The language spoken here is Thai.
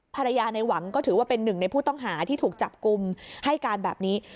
ในหวังก็ถือว่าเป็นหนึ่งในผู้ต้องหาที่ถูกจับกลุ่มให้การแบบนี้